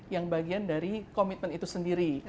yang bagian dari komitmen itu sendiri